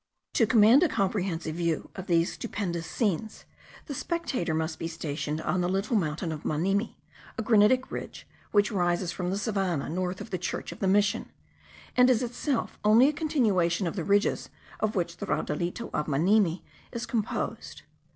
To command a comprehensive view of these stupendous scenes, the spectator must be stationed on the little mountain of Manimi, a granitic ridge, which rises from the savannah, north of the church of the mission, and is itself only a continuation of the ridges of which the raudalito of Manimi is composed.